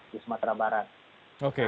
di sumatera barat oke